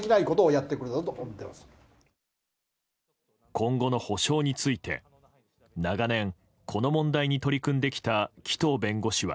今後の補償について長年、この問題に取り組んできた紀藤弁護士は。